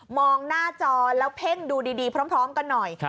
หน้าจอแล้วเพ่งดูดีพร้อมกันหน่อย